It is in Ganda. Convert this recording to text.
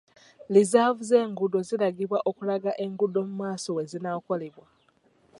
Lizaavu z'engudo ziragibwa okulaga enguudo mu maaso wezinaakolebwa.